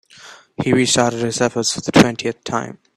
He restarted his efforts for the twentieth time.